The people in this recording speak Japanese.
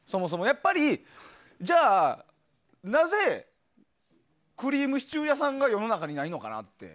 やっぱり、じゃあなぜクリームシチュー屋さんが世の中にないのかなって。